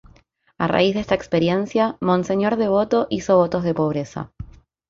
A raíz de esta experiencia, Monseñor Devoto hizo votos de pobreza.